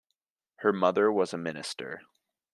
Her mother was a minister.